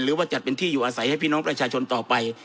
หรือว่าจัดเป็นที่อยู่อาศัยให้พี่น้องประชาชนต่อไป